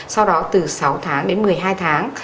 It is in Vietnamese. sau đó từ sáu tháng đến một mươi hai tháng